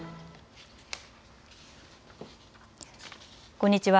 こんにちは。